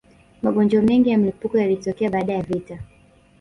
magonjwa mengi ya mlipuko yalitokea baada ya vita